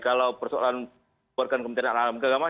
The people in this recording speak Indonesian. kalau persoalan warga kementerian agama